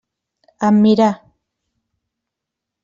Em mirà.